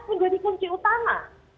menjadi kunci utama